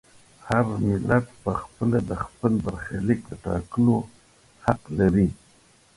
هر ملت په خپله د خپل برخلیک د ټاکلو حق لري.